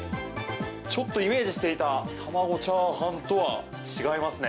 ちょっとイメージしていた卵チャーハンとは違いますね。